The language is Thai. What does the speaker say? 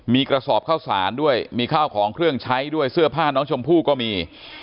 มีกระสอบข้าวสารด้วยมีข้าวของเครื่องใช้ด้วยเสื้อผ้าน้องชมพู่ก็มี